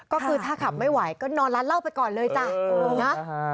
ก็คือถ้าขับไม่ไหวก็นอนร้านเหล้าไปก่อนเลยจ้ะนะ